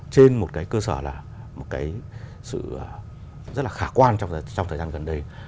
trên một cơ sở rất khả quan trong thời gian gần đây